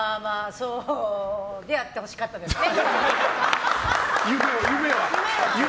そうであってほしかったね。